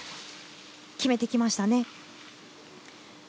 決めてきましたね。